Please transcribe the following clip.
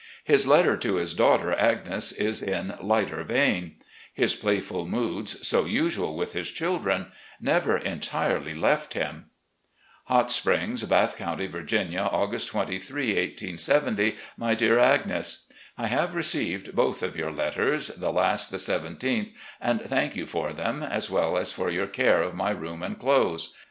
His letter to his daughter Agnes is in lighter vein. His playful moods, so usual with his children, never entirely left him. 430 RECOLLECTIONS OF GENERAL LEE "Hot Springs, Bath County, Virginia, "August 23, 1870. " My Dear Agnes: I have received both of your letters, the last the 17th, and thank you for them as well as for your care of my room and clothes.